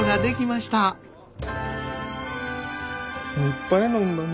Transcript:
いっぱい飲んだな。